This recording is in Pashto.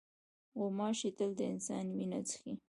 غوماشې تل د انسان وینه څښي.